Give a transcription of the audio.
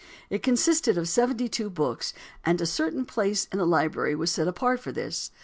It consisted of seventy two books, and a certain place in the library was set apart for this.